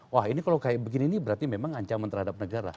wah ini kalau kayak begini ini berarti memang ancaman terhadap negara